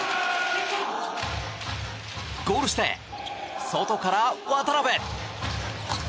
ゴール下へ、外から渡邊！